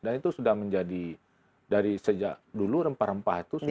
dan itu sudah menjadi dari sejak dulu rempah rempah itu sudah